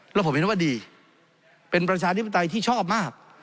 แล้วผมเห็นว่าดีเป็นประชาธิปไตยที่ชอบมาก